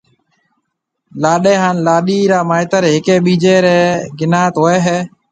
لاڏيَ هانَ لاڏيِ را مائيتر هيَڪيَ ٻِيجيَ ريَ گنَيات هوئي هيَ۔